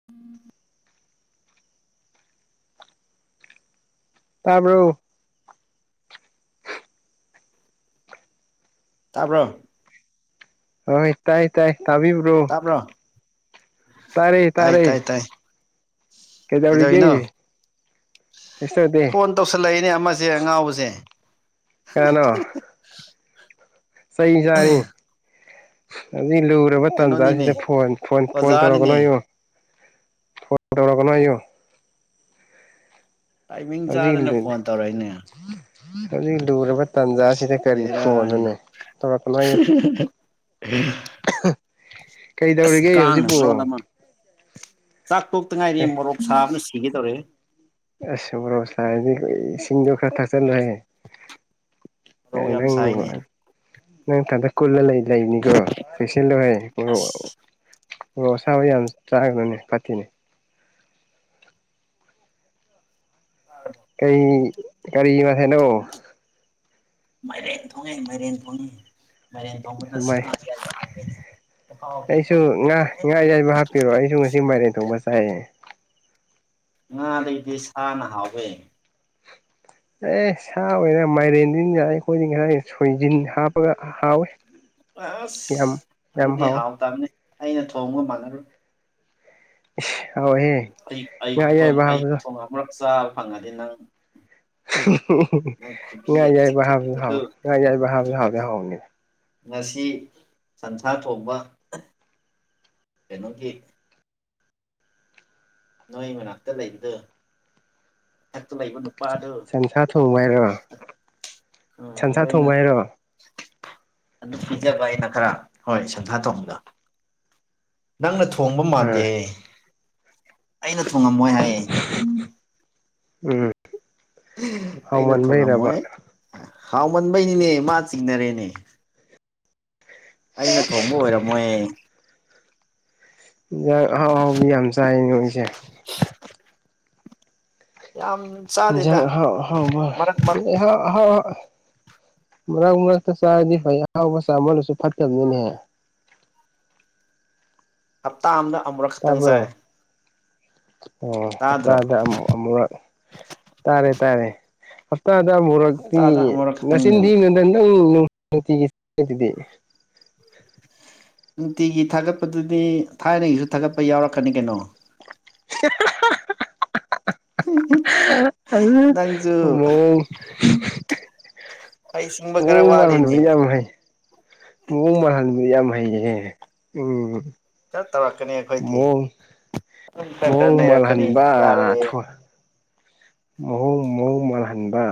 [inaudible] ꯇꯥꯕ꯭ꯔꯣ ꯇꯥꯕ꯭ꯔꯣ ꯍꯣꯏ ꯇꯥꯏ ꯇꯥꯏ ꯇꯥꯕꯤꯕ꯭ꯔꯣ ꯇꯥꯕ꯭ꯔꯣ ꯇꯥꯔꯦ ꯇꯥꯔꯦ ꯀꯩꯗꯧꯔꯤꯒꯦ ꯀꯗꯩꯅꫭ ꯁꯤꯁꯇꯔꯗꯤ ꯐꯣꯟ ꯇꯧꯁꯤꯜꯂꯛꯏꯅꯦ ꯑꯃꯁꯦ ꯑꯉꯥꯎꯕꯁꯦ ꯀꯅꯥꯅꯣ ꯆꯩ ꯆꯥꯅꯤ ꯍꯧꯖꯤꯛ ꯂꯨꯔꯕ ꯀꯩꯅꯣꯅꯤꯅꯦ ꯇꯥꯟꯖꯥꯁꯤꯗ ꯐꯣꯟ ꯐꯣꯟ ꯇꯧꯔꯛꯀꯅꯣ ꯑꯣꯖꯥꯅꯤꯅꯦ ꯍꯥꯏꯌꯣ ꯐꯣꯟ ꯇꯧꯔꯛꯀꯅꯣ ꯍꯥꯌꫭ ꯇꯥꯏꯃꯤꯡ ꯆꯥꯗꯅ ꯐꯣꯟ ꯇꯧꯔꯛꯏꯅꯦ ꯑꯗꯨ ꯂꯨꯔꯔꯕ ꯇꯥꯥꯟꯖꯥ ꯁꯤꯗ ꯀꯔꯤ ꯕꯦꯔꯥꯅꯤ ꯐꫭꯟꯅꫭꯅꯦ ꯇꯧꯔꯛꯀꯅꫭꯌꯨ ꯑꯁ ꯀꯩꯗꯧꯔꯤꯒꯦ ꯀꯥꯡꯅ ꯍꯧꯖꯤꯛꯄꯣ ꯃꯔꯣꯜ ꯑꯃ ꯆꯥꯛ ꯇꯣꯛꯇ ꯉꯥꯏꯔꯤꯌꯦ ꯃꯣꯔꯣꯛ ꯁꯥꯕꯅ ꯁꯤꯒꯦ ꯇꯧꯔꯦꯍꯦ ꯑꯁ ꯃꫭꯔꫭꯛ ꯁꯥꯔꯗꯤ ꯏꯁꯤꯡꯗꯣ ꯈꯔ ꯊꯥꯛꯆꯜꯂꫭꯍꯦ ꯃꯣꯔꯣꯛ ꯀꯩꯅꫭ ꯌꯥꯝ ꯁꯥꯏꯅꯦ ꯅꯪꯕꫭ ꯅꯪ ꯅꯊꯟꯗ ꯀꯨꯜꯂ ꯂꯩ ꯂꯩꯕꯅꯤꯀꯣ ꯆꯦꯛꯁꯤꯟ ꯂꯣ ꯍꯦ ꯃꯔꯨ ꯑꯁ ꯃꫭꯔꯥꯛ ꯑꯁꯥꯥꯕ ꯌꯥꯝ ꯆꯥꯒꯅꯨꯅꯦ ꯐꯥꯠꯇꯤꯅꯦ [inaudible] ꯀꯔꯤ ꯀꯥꯔꯤ ꯃꯥꯍꯩꯅꯣ ꯃꯥꯏꯔꯦꯟ ꯊꯣꯡꯉꯦ ꯃꯥꯏꯔꯦꯟ ꯊꯣꯡꯉꯦ ꯃꯥꯏꯔꯦꯟ ꯊꫭꯡꯕꯗ ꯁꯥ ꯃꯥꯏ ꯑꯌꯥꯏꯕ ꯍꯥꯞꯄꯦꯅꯦ ꯃꯍꯥꯎꯗꯤ ꯑꯩꯁꯨ ꯑꫭ ꯉꯥ ꯂꯩꯇ꯭ꯔꯦꯍꯦ ꯉꯥ ꯑꯌꯥꯏꯕ ꯍꯥꯞꯄꯤꯔꯣ ꯑꯩꯁꯨ ꯉꯁꯤ ꯃꯥꯏꯔꯦꯟ ꯊꯣꯡꯕ ꯆꯥꯏꯌꯦ ꯉꯥꯗꯒꯤꯗꯤ ꯁꯥꯅ ꯍꯥꯎꯋꯦ ꯑꯦ ꯁꯥ ꯑꯣꯏꯔ ꯃꯥꯏꯔꯦꯟ [unintelligible] ꯑꯩꯈꯣꯏꯗꯤ ꯉꯔꯥꯡ ꯁꯣꯏꯖꯤꯟ ꯍꯥꯞꯄꯒ ꯍꯥꯎꯋꯤ ꯑꯁ ꯑꯗꯨꯗꯤ ꯍꯥꯎꯋꯦ ꯍꯥꯎꯇꯕꯅꯤ ꯑꯩꯅ ꯊꯣꯡꯕ ꯃꯥꯟꯅꯔꯨ ꯏꯁ ꯍꯥꯎꯏꯍꯦ ꯉꯥ ꯑꯌꯥꯏꯕ ꯍꯥꯞꯄꯗꯨ ꯃꯣꯔꯛ ꯆꯥꯕ ꯐꯪꯉꯗꯤ ꯅꯪ ꯅꯪ ꯉꯥ ꯈꯨꯕꯤꯒꯗ ꯑꯌꯥꯏꯕ ꯍꯥꯞꯄꯁꯨ ꯆꯤꯛꯊꯠꯈꯤꯅꯤꯀꯣ ꯍꯥꯎꯋꯤ ꯉꯥ ꯑꯌꯥꯏꯕ ꯍꯥꯞꯄꯁꯨ ꯍꯥꯎꯗꯤ ꯍꯥꯎꯕꯅꯤ ꯉꯁꯤ ꯁꯟꯁꯥ ꯊꯣꯡꯕ ꯀꯩꯅꯣꯒꯤ ꯅꯣꯏ ꯃꯅꯥꯛꯇ ꯂꯩꯕꯗꯨ [unintelligible] ꯂꯩꯕ ꯅꯨꯄꯥꯗꯨ ꯁꯟꯁꯥ ꯊꯣꯡꯕ ꯍꯥꯏꯔꯣ ꯑ ꯑꯗꯨ ꯁꯟꯁꯥ ꯑꯩꯅ ꯊꯣꯡꯕ ꯍꯥꯏꯔꯣ ꯑꯗꯨ ꯄꯤꯖꯕ ꯑꯩꯅ ꯈꯔ ꯍꯣꯏ ꯁꯟꯁꯥ ꯊꯣꯡꯕꯗꯣ ꯅꯪꯅ ꯊꯣꯡꯕ ꯃꯥꯟꯗꯦ ꯑꯥ ꯍꯥꯏꯌꯦ ꯑꯩꯅ ꯊꯣꯡꯉꯝꯃꯣꯏ ꯍꯥꯏꯌꯦ ꯎꯝ ꯎꯝ ꯑꯩꯅ ꯍꯥꯎꯃꯟꯕꯩꯔꯕ ꯊꯣꯡꯉꯝꯃꯣꯏ ꯍꯥꯎꯃꯟꯕꯩꯅꯤꯅꯦ ꯃꯥ ꯆꯤꯡꯅꯔꯦꯅꯦ ꯑꯩꯅ ꯊꯣꯡꯕ ꯑꯣꯏꯔꯝꯃꯣꯏ ꯏꯟꯖꯥꯡ ꯑꯍꯥꯎ ꯑꯍꯥꯎꯕꯗꯤ ꯌꯥꯝ ꯆꯥꯏ ꯅꯣꯏꯁꯦ ꯌꯥꯝ ꯆꯥꯗꯦꯗ ꯏꯟꯖꯥꯡ ꯑꯍꯥꯎ ꯑꯍꯥꯎꯕ ꯃꯔꯛ ꯃꯔꯛ [unintelligible] ꯑꯍꯥꯎ ꯑ ꯃꯔꯛ ꯃꯔꯛꯇ ꯆꯥꯔꯗꯤ ꯐꯩꯌꯦ ꯑꯍꯥꯎꯕ ꯆꯥꯃꯜꯂꯁꯨ ꯐꯠꯇꯕꯅꯤꯅꯦ ꯍꯞꯇꯥ ꯑꯃꯗ ꯑꯃꯨꯔꯛ ꯈꯛꯇꯪ ꯆꯥꯏ ꯇꯥꯕ꯭ꯔꯣ ꯑꯣ ꯇꯥꯗ꯭ꯔꯣ ꯍꯞꯇꯥꯗ ꯑꯃꯨꯛ ꯑꯃꯨꯨꯔꯛ ꯇꯥꯔꯦ ꯇꯥꯔꯦ ꯍꯞꯇꯥꯗ ꯑꯃꯨꯔꯛꯇꯤ ꯍꯞꯇꯥꯗ ꯑꯃꯨꯔꯛ ꯅꯆꯤꯟ ꯈꯛꯇꯪꯅꯦꯕ ꯊꯤꯅꯨꯗ ꯅꯪ ꯅꯨꯡꯇꯤꯒꯤ [unintelligible] ꯗꯤ ꯅꯨꯡꯇꯤꯒꯤ ꯊꯥꯒꯠꯄꯗꯨꯗꯤ ꯊꯥꯏꯅꯒꯤꯖꯨ ꯊꯥꯒꯠꯄ ꯌꯥꯎꯔꯛꯀꯅꯤ ꯀꯩꯅꯣ [unintelligible] [unintelligible] ꯅꯪꯁꯨ [unintelligible] ꯑꯩ ꯁꯤꯡꯕ ꯈꯔ ꯋꯥꯠꯂꯤꯅꯦ [unintelligible] ꯌꯥꯝ ꯍꯩ ꯃꯑꯣꯡ ꯃꯥꯟꯍꯟꯕ ꯌꯥꯝ ꯍꯩꯌꯦ [unintelligible] ꯈꯔ ꯇꯧꯔꯛꯀꯅꯤ ꯑꯩꯈꯣꯏꯗꯤ ꯑꯗꯨꯝ ꯈꯔ ꯈꯔ ꯃꯑꯣꯡ ꯅꯩꯔꯛꯀꯅꯤ ꯃꯥꯜꯍꯟꯕ ꯌꯥꯔꯣꯏꯌꯦ [unintelligible] ꯃꯑꯣꯡ ꯃꯑꯣꯡ ꯃꯥꯜꯍꯟꯕ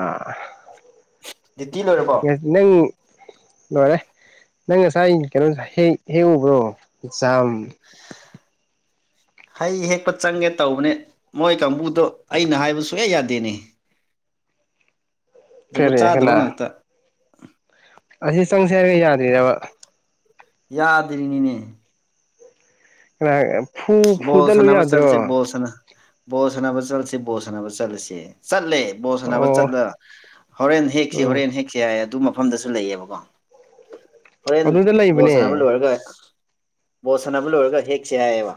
ꯗꯤꯇꯤ ꯂꯣꯏꯔꯕꯣ ꯅꯪ ꯂꯣꯏꯔꯦ ꯅꯪ ꯉꯁꯥꯏ ꯀꯩꯅꯣ ꯍꯩ ꯍꯦꯛꯎꯕ꯭ꯔꯣ ꯖꯥꯝ ꯍꯩ ꯍꯦꯛꯄ ꯆꯪꯒꯦ ꯇꯧꯕꯅꯦ ꯃꯣꯏ ꯀꯥꯡꯕꯨꯗꯣ ꯑꯩꯅ ꯍꯥꯏꯕ ꯁꯨꯡꯌꯥ ꯌꯥꯗꯦꯅꯦ ꯖꯨꯒꯣꯠ ꯀꯔꯤ ꯆꯥꯗꯕ ꯀꯅꯥ ꯉꯥꯛꯇ ꯑꯁꯤ ꯆꯪꯁꯦ ꯍꯥꯏꯔꯒ ꯌꯥꯗ꯭ꯔꯤꯔꯕ ꯌꯥꯗ꯭ꯔꯤꯅꯤꯅꯦ [unintelligible] ꯐꯨ ꯕꯣꯜ ꯐꯨꯗꯠꯂꯨ ꯁꯥꯟꯅꯕ ꯌꯥꯗ꯭ꯔꯣ [unintelligible] ꯕꯣꯜ ꯁꯥꯟꯅꯕ ꯆꯠꯂꯁꯤ ꯕꯣꯜ ꯁꯥꯟꯅꯕ ꯆꯠꯂꯁꯤ ꯆꯠꯂꯦ ꯕꯣꯜ ꯁꯥꯟꯅꯕ ꯑꯣ ꯆꯠꯂ ꯍꯣꯔꯦꯟ ꯍꯦꯛꯁꯤ ꯎꯝ ꯍꯣꯔꯦꯟ ꯍꯦꯛꯁꯤ ꯍꯥꯏ ꯑꯗꯨꯃꯛ ꯃꯐꯝꯗꯁꯨ ꯂꯩꯌꯦꯕꯀꯣ ꯍꯣꯔꯦꯟ ꯑꯗꯨꯗ ꯕꯣꯜ ꯁꯥꯟꯅꯕ ꯂꯩꯕꯅꯦ ꯂꯣꯏꯔꯒ ꯕꯣꯜ ꯁꯥꯟꯅꯕ ꯂꯣꯏꯔꯒ ꯍꯦꯛꯁꯦ ꯍꯥꯏꯌꯦꯕ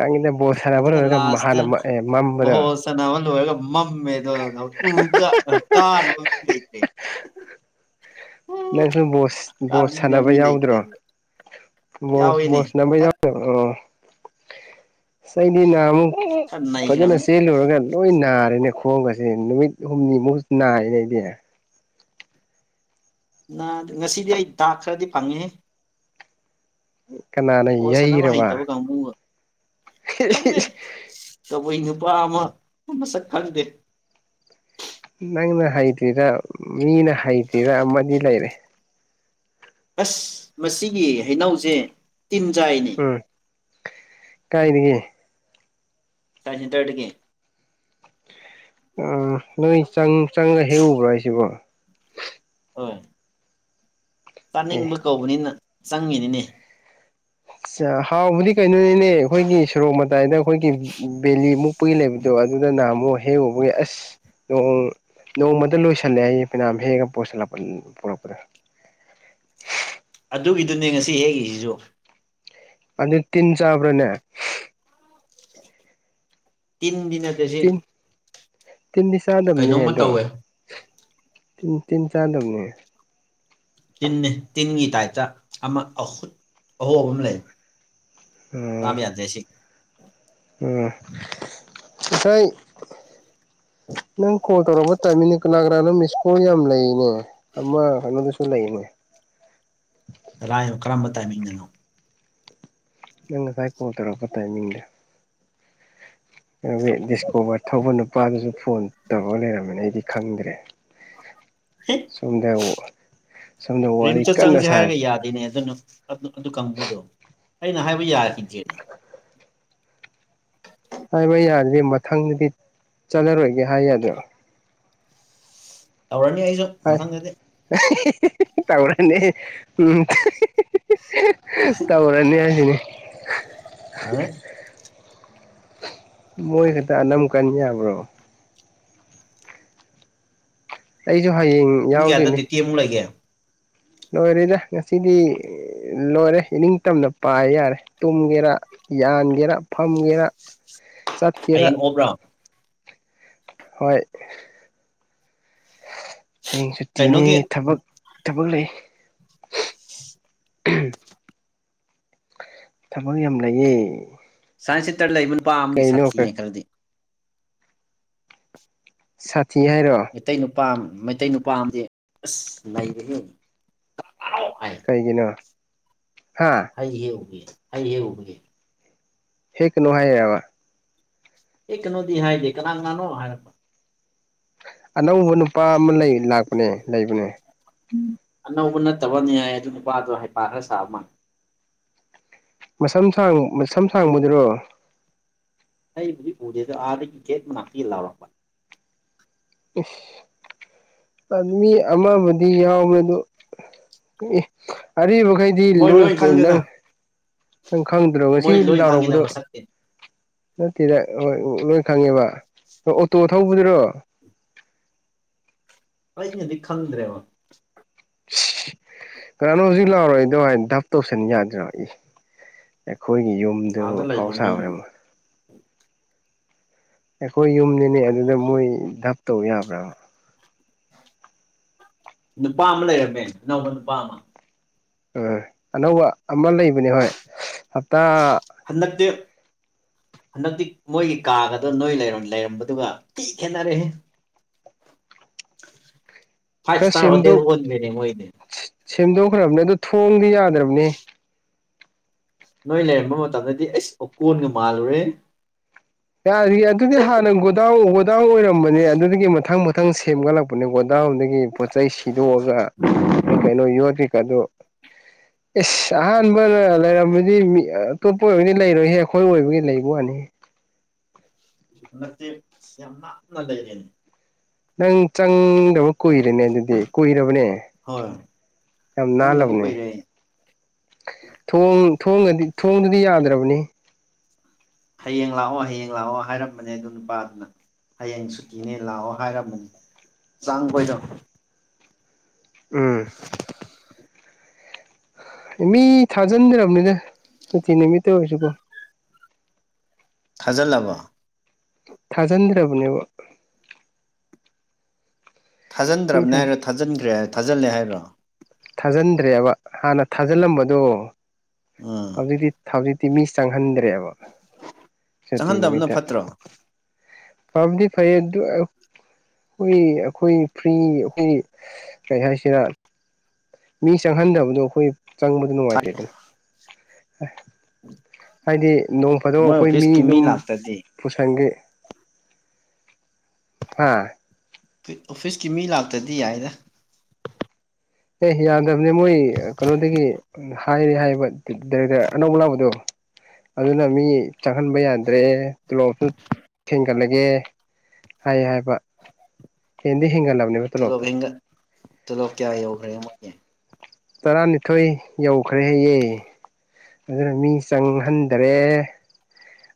ꯈꯪꯉꯤꯗ ꯕꯣꯜ ꯁꯥꯟꯅꯕ ꯑꯗꯨꯒ ꯂꯣꯏꯔꯒ ꯂꯥꯁꯇ ꯍꯥꯟꯅ [unintelligible] ꯃꯝꯕꯗꯣ ꯕꯣꯜ ꯁꯥꯟꯅꯕ ꯂꯣꯏꯔꯒ ꯃꯝꯃꯦꯗꯣ [unintelligible] ꯎ ꯀꯥ ꯀꯥꯅꯕ ꯃꯤ ꯂꯩꯇꯦ ꯅꯪꯖꯨ ꯕꯣꯁ ꯕꯣꯁ ꯀꯥꯕꯤꯅꯕ ꯁꯥꯟꯅꯕ ꯃꯤ ꯂꯩꯇ꯭ꯔꯦ ꯌꯥꯎꯗ꯭ꯔꯣ ꯑꯗꯨ ꯕꯣꯁ ꯌꯥꯎꯋꯤꯅꯦ ꯕꯣꯁ ꯁꯥꯅꯕ ꯈꯔ ꯌꯥꯎꯗꯕ꯭ꯔꯣ ꯁꯩꯗꯤꯅ ꯑꯃꯨꯛ ꯈꯔ ꯐꯖꯅ ꯅꯩꯈ꯭ꯔꯕꯅꯦ ꯆꯦꯂꯨꯔꯒ ꯂꯣꯏ ꯅꯥꯔꯦꯅꯦ ꯈꯣꯡꯒꯁꯦ ꯅꯨꯃꯤꯠ ꯍꯨꯝꯅꯤꯃꯨꯛ ꯅꯥꯔꯦꯅꯦ ꯑꯩꯗꯤ ꯅꯥ ꯉꯁꯤꯗꯤ ꯑꯩ ꯗꯥꯛ ꯈꯔꯗꯤ ꯐꯪꯉꯦꯍꯦ ꯀꯅꯥ ꯕꯣꯜ ꯁꯥꯟꯅꯕ ꯍꯩꯇꯕ ꯀꯥꯡꯕꯨꯒ ꯈꯪꯗꯦ ꯀꯕꯨꯏ ꯅꯨꯄꯥ ꯑꯃ ꯃꯁꯛ ꯈꯪꯗꯦ ꯅꯪꯅ ꯍꯩꯇ꯭ꯔꯤꯔꯥ ꯃꯤꯅ ꯍꯩꯇ꯭ꯔꯤꯔꯥ ꯑꯃꯗꯤ ꯂꯩꯔꯦ ꯑꯁ ꯃꯁꯤꯒꯤ ꯍꯩꯅꯧꯖꯦ ꯇꯤꯟꯆꯥꯏꯅꯦ ꯎꯝ ꯀꯥꯏꯅꯤꯒꯦ ꯁꯥꯏꯟꯁ ꯁꯦꯟꯇꯔꯗꯒꯤ ꯎꯝ ꯅꯣꯏ ꯆꯪ ꯆꯪꯉꯒꯥ ꯍꯦꯛꯎꯕ꯭ꯔꯥ ꯍꯥꯏꯁꯤꯕꯣ ꯍꯣꯏ ꯑꯦ ꯆꯥꯅꯤꯡꯕ ꯀꯧꯕꯅꯤꯅ ꯆꯪꯉꯤꯅꯤꯅꯦ ꯑꯁ ꯍꯥꯎꯕꯗꯤ ꯀꯩꯅꯣꯅꯤꯅꯦ ꯑꯩꯈꯣꯏꯒꯤ ꯁꯣꯔꯣꯛ ꯃꯛ ꯇꯥꯏꯗ ꯑꯈꯣꯏꯒꯤ ꯕꯦꯂꯤ ꯃꯨꯛꯄꯒꯤ ꯂꯩꯕꯗꯣ ꯑꯗꯨꯗ ꯅꯍꯃꯨꯛ ꯍꯦꯛꯎꯕꯒꯤ ꯑꯁ ꯅꯣꯡ ꯅꯣꯡꯃꯗ ꯂꯣꯏꯁꯜꯂꯦ ꯍꯥꯏꯅꯤ ꯐꯩꯅꯥꯝ ꯍꯦꯛꯑꯒ ꯄꯣꯁꯜꯂꯛꯄ ꯄꯣꯔꯛꯄꯗ ꯑꯗꯨꯒꯤꯗꯨꯅꯦ ꯉꯁꯤ ꯍꯦꯛꯏꯖꯤꯖꯨ ꯑꯗꯨ ꯇꯤꯟ ꯆꯥꯕ꯭ꯔꯅꯦ ꯇꯤꯟꯗꯤ ꯅꯠꯇꯦ ꯁꯤ ꯇꯤꯟ ꯇꯤꯟꯗꯤ ꯆꯥꯗꯕꯅꯦꯍꯦ ꯀꯩꯅꯣꯝꯃ ꯑꯗꯣ ꯇꯧꯋꯦ ꯇꯤꯟ ꯇꯤꯟ ꯆꯥꯗꯕꯅꯦ ꯇꯤꯟꯅꯦ ꯇꯤꯟꯒꯤ ꯇꯥꯏꯞꯇ ꯑꯃ ꯑꯍꯨꯠ ꯑꯍꯣꯕ ꯑꯝ ꯂꯩ ꯆꯥꯕ ꯌꯥꯗ꯭ꯔꯦ ꯁꯤ ꯎꯝ ꯉꯁꯥꯏ ꯅꯪ ꯀꯣꯜ ꯇꯧꯔꯛꯄ ꯇꯥꯏꯃꯤꯅꯤ ꯀꯅꯥꯥ ꯀꯅꯥꯅꯣ ꯃꯤꯁꯀꯣꯜ ꯌꯥꯝ ꯂꯩꯅꯦ ꯑꯃ ꯀꯩꯅꯣꯗꯨꯁꯨ ꯂꯩꯅꯦ ꯇꯂꯥꯏꯅꯣ ꯀꯔꯝꯕ ꯇꯥꯏꯃꯤꯡꯗꯅꯣ ꯅꯪ ꯉꯁꯥꯏ ꯀꯣꯜ ꯇꯧꯔꯛꯄ ꯇꯥꯏꯃꯤꯡꯗ ꯀꯩꯅꯣꯒꯤ ꯗꯤꯁꯀꯣꯕꯔ ꯊꯧꯕ ꯅꯨꯄꯥꯗꯨꯁꯨ ꯐꯣꯟ ꯇꯧꯔꯒ ꯂꯩꯔꯝꯃꯦꯅꯦ ꯑꯩꯗꯤ ꯈꯪꯗ꯭ꯔꯦ ꯁꯣꯝꯗ ꯋꯨ ꯁꯣꯝꯗ ꯋꯥꯔꯤ ꯀꯟꯅ ꯁꯥꯔꯤ [unintelligible] ꯑꯗꯨ ꯑꯗꯨ ꯀꯥꯡꯕꯨꯗꯣ ꯑꯩꯅ ꯍꯥꯏꯕ ꯌꯥꯈꯤꯗ꯭ꯔꯦꯅꯦ ꯍꯥꯏꯕ ꯌꯥꯗ꯭ꯔꯦ ꯃꯊꯪꯗꯗꯤ ꯆꯠꯂꯔꯣꯏꯒꯦ ꯍꯥꯏ ꯌꯥꯗ꯭ꯔꯣ ꯇꯧꯔꯅꯤ ꯑꯩꯖꯨ ꯍꯥꯏ ꯃꯊꯪꯗꯗꯤ ꯇꯧꯔꯅꯤ ꯎꯝ ꯇꯧꯔꯅꯤ ꯍꯥꯏꯁꯤꯅꯤ ꯇꯧꯔꯅꯤ ꯃꯣꯏ ꯈꯛꯇ ꯑꯅꯝ ꯀꯟ ꯌꯥꯕ꯭ꯔꯣ ꯑꯩꯖꯨ ꯍꯌꯦꯡ ꯄꯨꯡ ꯀꯌꯥꯗ ꯌꯥꯎꯗꯣꯏꯅꯤ ꯗꯤꯛꯇꯦ ꯑꯃꯨꯛ ꯂꯩꯒꯦ ꯂꯣꯏꯔꯦꯗ ꯉꯁꯤꯗꯤ ꯂꯣꯏꯔꯦ ꯏꯅꯤꯡꯇꯝꯅ ꯄꯥꯏ ꯌꯥꯔꯦ ꯇꯨꯝꯒꯦꯔꯥ ꯌꯥꯟꯒꯦꯔꯥ ꯐꯝꯒꯦꯔꯥ [inaudible] ꯆꯠꯀꯦꯔꯥ ꯍꯌꯦꯡ ꯑꯣꯞꯔꯣ ꯍꯣꯏ ꯍꯌꯦꯡ ꯁꯨꯇꯤꯅꯦ ꯀꯩꯅꯣꯒꯤ ꯊꯕꯛ ꯊꯕꯛ ꯂꯩ ꯊꯕꯛ ꯌꯥꯝ ꯂꯩꯌꯦ ꯁꯥꯏꯟꯁ ꯁꯤꯇꯔ ꯂꯩꯕ ꯅꯨꯄꯥ ꯑꯃꯒꯤ ꯀꯩꯅꯣ ꯁꯥꯇꯤ ꯀ ꯍꯥꯏꯅ ꯈꯔꯗꯤ ꯁꯥꯊꯤ ꯍꯥꯏꯔꯣ ꯃꯩꯇꯩ ꯅꯨꯄꯥ ꯃꯩꯇꯩ ꯅꯨꯄꯥ ꯑꯝ ꯑꯁ [unintelligible] ꯍꯥꯏ ꯀꯩꯔꯤꯒꯤꯅꯣ ꯍꯥ ꯑꯩ ꯍꯦꯛ ꯎꯕꯒꯦ ꯑꯩ ꯍꯦꯛ ꯎꯕꯒꯦ ꯍꯦꯛꯒꯅꯨ ꯍꯥꯏꯔꯕ ꯍꯦꯛꯀꯅꯣꯗꯤ ꯍꯥꯏꯗꯦ ꯀꯅꯥ ꯀꯅꯥꯅꯣ ꯍꯥꯏꯔꯛꯄ ꯑꯅꯧꯕ ꯅꯨꯄꯥ ꯑꯃ ꯂꯩ ꯂꯥꯛꯄꯅꯦ ꯂꯩꯕꯅꯦ ꯎꯝ ꯑꯅꯧꯕ ꯅꯠꯇꯕꯅꯤ ꯍꯥꯏ ꯑꯗꯨ ꯅꯨꯄꯥꯗꯣ ꯍꯩꯄꯥ ꯈꯔ ꯁꯥꯕ ꯃꯥꯂꯦ ꯃꯁꯝ ꯁꯥꯡ ꯃꯁꯝ ꯁꯥꯡꯕꯗꯨꯔꯣ ꯑꯩ ꯍꯧꯖꯤꯛ ꯎꯗꯦꯗꯣ ꯑꯥꯗꯒꯤ ꯒꯦꯠ ꯃꯅꯥꯛꯇ ꯂꯥꯎꯔꯛꯄ ꯎ [unintelligible] ꯃꯤ ꯑꯃꯕꯨꯗꯤ ꯌꯥꯎꯕꯦ ꯑꯗꯨ ꯑꯔꯤꯕꯈꯩ ꯗꯤ ꯃꯣꯏ ꯂꯣꯏ ꯀ ꯈꯪꯉꯦꯗ ꯅꯪ ꯅꯪ ꯈꯪꯗ꯭ꯔꯣ ꯉꯁꯤ ꯃꯣꯏ ꯂꯣꯏ ꯈꯪꯉꯤꯗ ꯂꯥꯎꯔꯕꯗꯣ ꯃꯁꯛꯇꯤ ꯅꯠꯇꯦꯗ ꯍꯣꯏ ꯂꯣꯏ ꯈꯪꯉꯦꯕ ꯑꯣꯇꯣ ꯊꯧꯕꯗꯨꯔꯣ ꯑꯩꯩꯅꯗꯤ ꯈꯟꯗ꯭ꯔꯦꯕ ꯀꯅꯥꯅꯣ ꯍꯧꯖꯤꯛ ꯂꯥꯎꯔꯤꯗꯣ ꯍꯥꯏꯅ ꯇꯧꯁꯟ ꯌꯥꯗ꯭ꯔꯣ ꯏ ꯑꯩꯈꯣꯏꯒꯤ ꯌꯨꯝꯗꯕꯨ ꯑꯥꯗ ꯑꯐꯥꯎ ꯂꯩꯕ ꯃꯤꯅꯤ ꯁꯥꯕ꯭ꯔꯕ ꯑꯩꯈꯣꯏ ꯌꯨꯝꯅꯤꯅꯦ ꯑꯗꯨꯗ ꯃꯣꯏ ꯙꯞ ꯇꯧ ꯌꯥꯕ꯭ꯔꯕ ꯅꯨꯄꯥ ꯑꯃ ꯂꯩꯔꯝꯃꯦ ꯑꯅꯧꯕ ꯅꯨꯄꯥ ꯑꯃ ꯎꯝ ꯑꯅꯧꯕ ꯑꯃ ꯂꯩꯕꯅꯦ ꯍꯣꯏ ꯍꯞꯇꯥ ꯍꯟꯗꯛꯇꯦ ꯍꯟꯗꯛꯇꯤ ꯃꯣꯏꯒꯤ ꯀꯥꯒꯗꯣ ꯅꯣꯏꯅ ꯂꯩꯔꯝꯕꯗꯨꯒ ꯊꯤ ꯈꯦꯠꯅꯔꯦꯍꯦ ꯐꯚ ꯈꯔ ꯁꯇꯥꯔ ꯍꯣꯇꯦꯜ ꯁꯦꯝꯗꯣꯛ ꯑꯣꯟꯒ꯭ꯔꯦꯅꯦ ꯃꯣꯢꯗꯤ ꯁꯦꯝꯗꯣꯛꯈ꯭ꯔꯕꯅꯦ ꯑꯗꯣ ꯊꯣꯡꯗꯤ ꯌꯥꯗ꯭ꯔꯕꯅꯤ ꯅꯣꯏ ꯂꯩꯔꯝꯕ ꯃꯇꯝꯗꯗꯤ ꯑꯩꯁ ꯑꯣꯀꯣꯟꯒ ꯃꯥꯜꯂꯨꯔꯦ ꯌꯥꯔꯦ ꯑꯗꯨꯗꯤ ꯍꯥꯟꯅ ꯒꯣꯗꯥꯎ꯭ꯟ ꯒꯣꯗꯥꯎ꯭ꯟ ꯑꯣꯏꯔꯝꯕꯅꯦ ꯑꯗꯨꯗꯒꯤ ꯃꯊꯪ ꯃꯊꯪ ꯁꯦꯝꯒꯠꯂꯛꯄꯅꯦ ꯒꯣꯗꯥꯎ꯭ꯟꯗꯒꯤ ꯄꯣꯠꯆꯩꯩ ꯁꯤꯗꯣꯛꯑꯒ ꯀꯩ ꯀꯩꯅꯣ ꯌꯣꯠ ꯀꯩꯀꯥꯗꯣ [inaudible] ꯏꯁ ꯑꯍꯥꯟꯕꯗ ꯂꯩꯔꯝꯕꯗꯤ ꯃꯤ ꯑꯇꯣꯞꯄ ꯑꯣꯏꯔꯒꯗꯤ ꯂꯩꯔꯣꯏꯍꯦ ꯑꯩꯈꯣꯏ ꯑꯣꯏꯕꯒꯤ ꯂꯩꯕ ꯋꯥꯅꯤꯍꯦ ꯅꯠꯇꯦ ꯏꯁ ꯌꯥꯝ ꯂꯛꯅ ꯂꯩꯅꯦ ꯅꯪ ꯆꯪꯗꯕ ꯀꯨꯏꯔꯦꯅꯦ ꯑꯗꯨꯗꯤ ꯀꯨꯏꯔꯕꯅꯦ ꯍꯣꯏ ꯌꯥꯝ ꯆꯪꯗꯕ ꯅꯥꯜꯂꯕꯅꯦ ꯀꯨꯏꯔꯦ ꯊꯣꯡ ꯊꯣꯡꯒꯗꯤ ꯊꯣꯡꯗꯨꯗꯤ ꯌꯥꯗ꯭ꯔꯕꯅꯤꯍꯦ ꯍꯌꯦꯡ ꯂꯥꯛꯑꯣ ꯍꯌꯦꯡ ꯂꯥꯛꯑꯣ ꯍꯥꯏꯔꯝꯕꯅꯦ ꯑꯗꯨ ꯅꯨꯄꯥꯗꯨꯅ ꯍꯌꯦꯡ ꯁꯨꯇꯤꯅꯦ ꯂꯥꯛꯑꯣ ꯍꯥꯏꯔꯝꯕꯅꯦ ꯆꯥꯡꯕꯗꯣ ꯎꯝ ꯃꯤ ꯊꯥꯖꯤꯟꯗ꯭ꯔꯕꯅꯤꯗ ꯁꯨꯇꯤ ꯅꯨꯃꯤꯠꯇ ꯑꯣꯏꯔꯁꯨ ꯀꯣ ꯊꯥꯖꯜꯂꯕꯣ ꯊꯥꯖꯟꯗ꯭ꯔꯕꯅꯦꯕ ꯃꯤ ꯊꯥꯖꯟꯗ꯭ꯔꯕꯅꯦ ꯍꯥꯏꯔꯣ ꯊꯥꯖꯤꯟꯒ꯭ꯔꯦ ꯍꯥꯏ ꯊꯥꯖꯜꯂꯦ ꯍꯥꯏꯔꯣ ꯊꯥꯖꯟꯗ꯭ꯔꯦ ꯍꯥꯏꯕ ꯍꯥꯟꯅ ꯊꯥꯖꯜꯂꯝꯕꯗꯣ ꯎꯝ ꯍꯧꯖꯤꯛꯇꯤ ꯍꯧꯖꯤꯛꯇꯤ ꯃꯤ ꯆꯪꯍꯟꯗ꯭ꯔꯦꯕ ꯁꯨꯇꯤ ꯆꯪꯍꯟꯗꯕꯅ ꯅꯨꯃꯤꯠꯇ ꯐꯠꯇ꯭ꯔꯣ ꯐꯕꯗꯤ ꯐꯩꯌꯦ ꯑꯗꯨ ꯑꯣꯢꯔ ꯑꯩꯈꯣꯏ ꯑꯩꯈꯣꯏ ꯐ꯭ꯔꯤ ꯑꯩꯈꯣꯏꯒꯤ ꯀꯔꯤ ꯍꯥꯏꯁꯤꯔꯥ ꯃꯤ ꯆꯪꯍꯟꯗꯕꯗꯣ ꯑꯈꯣꯏ ꯆꯪꯕꯗꯨ ꯅꯨꯡꯉꯥꯏꯇꯦꯗꯅ ꯑꯥꯏ ꯍꯥꯏꯗꯤ ꯅꯣꯡ ꯐꯥꯗꯣꯛ ꯃꯣꯏ ꯑꯈꯣꯏ ꯃꯤ ꯑꯣꯐꯤꯁꯀꯤ ꯑꯗꯨꯝ ꯂꯥꯛꯇ꯭ꯔꯗꯤ ꯄꯨꯁꯟꯒꯤ ꯍꯥ ꯑꯣꯐꯤꯁꯀꯤ ꯃꯤ ꯂꯥꯛꯇꯗꯤ ꯌꯥꯏꯗ ꯑꯦ ꯌꯥꯗꯕꯅꯦ ꯃꯣꯏ ꯀꯩꯅꯣꯗꯒꯤ ꯍꯥꯏꯔꯦ ꯍꯥꯏꯕ ꯗꯥꯏꯔꯦꯛꯇ꯭ꯔ ꯑꯅꯧꯕ ꯂꯥꯛꯕꯗꯣ ꯑꯗꯨꯅ ꯃꯤ ꯆꯪꯍꯟꯕ ꯌꯥꯗ꯭ꯔꯦ ꯇꯣꯂꯣꯞꯁꯨ ꯊꯦꯡꯒꯠꯂꯒꯦ ꯍꯥꯏ ꯍꯥꯏꯕ ꯍꯦꯟꯗꯤ ꯍꯦꯟꯒꯠꯂꯕꯅꯦꯕ ꯇꯣꯂꯣꯞꯇꯣ ꯇꯣꯂꯣꯞ ꯍꯦꯟꯒꯠ ꯇꯣꯂꯣꯞ ꯀꯌꯥ ꯌꯧꯈ꯭ꯔꯦ ꯃꯣꯏꯒꯤ ꯇꯔꯥꯅꯤꯊꯣꯏ ꯌꯧꯈ꯭ꯔꯦ ꯍꯩꯌꯦ ꯑꯗꯨꯅ ꯃꯤ ꯆꯪꯍꯟꯗ꯭ꯔꯦ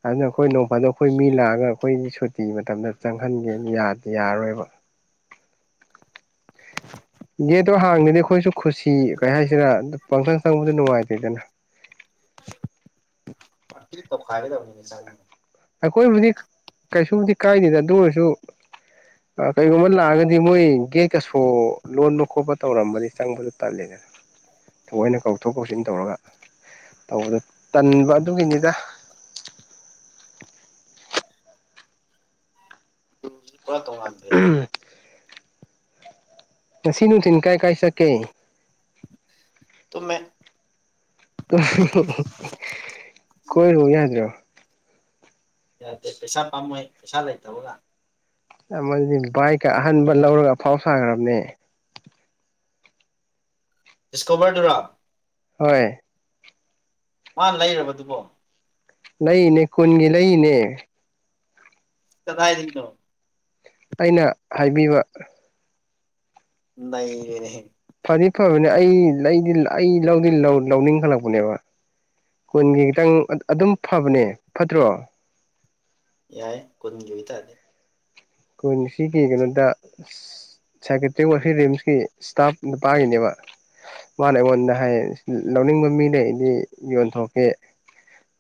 ꯑꯗꯨꯅ ꯑꯈꯣꯏ ꯅꯣꯡ ꯐꯥꯗꯣꯛ ꯑꯩꯈꯣꯏ ꯃꯤ ꯂꯥꯛꯑꯒ ꯑꯩꯈꯣꯏꯒꯤ ꯁꯨꯇꯤ ꯃꯇꯝꯗ ꯆꯪꯍꯟꯒꯦꯅ ꯌꯥꯠ ꯌꯥꯔꯔꯣꯏꯕ ꯒꯦꯠꯇꯣ ꯍꯥꯡꯉꯗꯤ ꯑꯩꯈꯣꯏꯁꯨ ꯈꯨꯁꯤ ꯀꯩ ꯍꯥꯏꯁꯤꯔꯥ ꯄꯪꯆꯟ ꯆꯪꯕꯗꯣ ꯅꯨꯡꯉꯥꯏꯇꯦꯗꯅ ꯄꯥꯔꯇꯤ ꯇꯧꯈꯥꯏꯒꯗꯕꯅꯤꯅꯦ ꯆꯪꯉꯒ ꯑꯈꯣꯏꯕꯨꯗꯤ ꯀꯩꯁꯨꯕꯨꯗꯤ ꯀꯥꯏꯗꯦꯗ ꯑꯗꯨ ꯑꯣꯏꯔꯁꯨ ꯑ ꯀꯩꯒꯨꯝꯕ ꯂꯥꯛꯑꯒꯗꯤ ꯃꯣꯏ ꯒꯦꯠꯀ ꯁꯣ ꯂꯣꯟꯕ ꯈꯣꯠꯄ ꯇꯧꯔꯝꯕꯗꯤ ꯆꯪꯕꯗꯣ ꯇꯜꯂꯦ [inaudible] ꯊꯑꯣꯏꯅ ꯀꯧꯊꯣꯛ ꯀꯧꯁꯤꯟ ꯇꯧꯔꯒ ꯇꯧꯕꯗ ꯇꯟꯕ ꯑꯗꯨꯒꯤꯅꯤꯗꯥ [unintelligible] ꯄꯨꯔꯥ ꯇꯣꯡꯉꯥꯟꯈ꯭ꯔꯦꯅꯦ ꯉꯁꯤ ꯅꯨꯡꯊꯤꯟ ꯀꯥꯏ ꯀꯥꯏ ꯆꯠꯀꯦ ꯇꯨꯝꯃꯦ ꯀꯣꯏꯔꯨ ꯌꯥꯗ꯭ꯔꯣ ꯌꯥꯗꯦ ꯄꯩꯁꯥ ꯄꯥꯝꯃꯨꯏ ꯄꯩꯁꯥ ꯂꯩꯇꯕꯒ ꯑꯃꯖꯤ ꯕꯥꯏꯛꯀ ꯑꯍꯟꯕ ꯂꯧꯔꯒ ꯑꯐꯥꯎ ꯁꯥꯈ꯭ꯔꯕꯅꯦ ꯗꯤꯁꯀꯣꯕ꯭ꯔꯗꯨꯔꯣ ꯍꯣꯏ ꯃꯥ ꯂꯩꯔꯕ ꯗꯨꯕꯣ ꯂꯩꯅꯦ ꯈꯨꯟꯒꯤ ꯂꯩꯔꯤꯅꯦ ꯀꯗꯥꯏꯗꯩꯅꯣ ꯑꯩꯅ ꯍꯥꯏꯕꯤꯕ ꯅꯩꯔꯦꯅꯦꯍꯦ ꯐꯗꯤ ꯐꯕꯅꯦ ꯑꯩ ꯂꯩꯗꯤ ꯑꯩ ꯂꯧꯗꯤ ꯂꯧꯅꯤꯡꯈꯜꯂꯛꯄꯅꯦꯕ ꯀꯨꯟꯒꯤ ꯈꯤꯇꯪ ꯑꯗꯨꯝ ꯐꯕꯅꯦ ꯐꯠꯇ꯭ꯔꯣ ꯌꯥꯏ ꯀꯨꯟꯒꯤ ꯑꯣꯏꯇꯥꯔꯗꯤ ꯀꯨꯟꯁꯤꯒꯤ ꯀꯩꯅꯣꯗ ꯑꯁ ꯁꯥꯏꯀꯦꯇꯔꯤꯛ ꯔꯤꯝꯁꯀꯤ ꯏꯁꯇꯥꯞ ꯅꯨꯄꯥꯒꯤꯅꯦꯕ ꯃꯥꯅ ꯑꯩꯉꯣꯟꯗ ꯍꯥꯏꯌꯦ ꯂꯧꯅꯤꯡꯕ ꯃꯤ ꯂꯩꯔꯗꯤ ꯌꯣꯟꯊꯣꯛꯀꯦ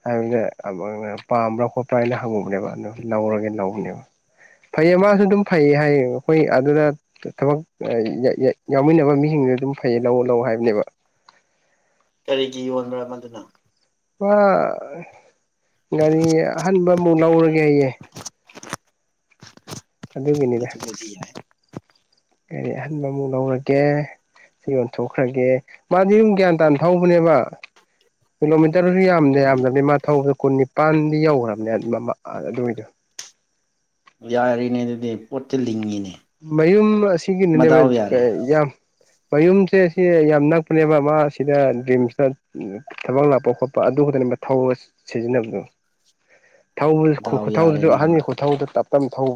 ꯍꯥꯏꯕꯗ ꯄꯥꯝꯕ꯭ꯔꯥ ꯈꯣꯠꯄ꯭ꯔꯥ ꯍꯥꯏꯅ ꯍꯪꯉꯨꯕꯅꯦꯕ ꯑꯗꯨ ꯂꯧꯔꯒꯦ ꯂꯧꯕꯅꯦꯕ ꯐꯩꯌꯦ ꯃꯥꯁꯨ ꯑꯗꯨꯝ ꯐꯩꯌꯦ ꯍꯥꯏꯌꯦ ꯑꯩꯈꯣꯏ ꯑꯗꯨꯗ ꯊꯕꯛ ꯌꯥꯎꯃꯤꯟꯅꯕ ꯃꯤꯁꯤꯡꯗꯨ ꯑꯗꯨꯝ ꯐꯩꯌꯦ ꯂꯧꯑꯣ ꯂꯧꯑꯣꯅ ꯍꯥꯏꯕꯅꯦꯕ ꯀꯔꯤꯒꯤ ꯌꯣꯟꯕ꯭ꯔ ꯃꯗꯨꯅꯥ ꯃꯥ ꯒꯥꯔꯤ ꯑꯍꯟꯕ ꯑꯃꯨꯛ ꯂꯧꯔꯒꯦꯌꯦ ꯑꯗꯨꯒꯤꯅꯤꯗ ꯃꯗꯨꯕꯨꯗꯤ ꯌꯥꯏ ꯒꯥꯔꯤ ꯑꯍꯟꯕꯃꯨꯛ ꯂꯧꯔꯒꯦ ꯁꯤ ꯌꯣꯟꯊꯣꯛꯈ꯭ꯔꯒꯦ ꯃꯥꯗꯤ ꯌꯨꯝ ꯒ꯭ꯌꯥꯟ ꯇꯥꯅ ꯊꯧꯕꯅꯦꯕ ꯀꯤꯂꯣꯃꯤꯇꯔ ꯌꯥꯝ ꯎꯝ ꯌꯥꯝꯗꯕꯅꯤ ꯃꯥ ꯊꯧꯕ ꯀꯨꯟꯅꯤ ꯄꯥꯟꯗꯤ ꯌꯧꯒ꯭ꯔꯕꯅꯦ ꯑꯗꯨꯋꯥꯏꯗꯣ ꯌꯥꯔꯦꯅꯦ ꯑꯗꯨꯗꯤ ꯄꯣꯠꯇꯤ ꯂꯤꯡꯉꯤꯅꯦ ꯃꯌꯨꯝ ꯑꯁꯤꯒꯤ ꯃꯗꯥꯎ ꯌꯥꯔꯦ [unintelligible] ꯌꯥꯝ ꯃꯌꯨꯝꯁꯦ ꯁꯤ ꯌꯥꯝ ꯅꯛꯄꯅꯦꯕ ꯃꯥ ꯁꯤꯗ ꯔꯤꯝꯁꯇ ꯊꯕꯛ ꯂꯥꯛꯄ ꯈꯣꯠꯄ ꯑꯗꯨ ꯈꯛꯇꯅꯦꯕ ꯊꯧꯕ ꯁꯤꯖꯤꯟꯅꯕꯗꯣ ꯊꯧꯕ ꯗꯥꯎ ꯈꯨꯊꯧꯗꯨꯁꯨ ꯌꯥꯔꯦꯅꯦ ꯃꯥ ꯑꯍꯟꯒꯤ ꯈꯨꯊꯧꯗꯨ ꯇꯞ ꯇꯞꯅ ꯊꯧ